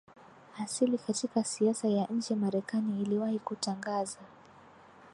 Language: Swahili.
asili Katika siasa ya nje Marekani iliwahi kutangaza